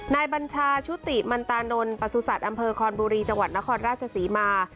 บัญชาชุติมันตานนท์ประสุทธิ์อำเภอคอนบุรีจังหวัดนครราชศรีมา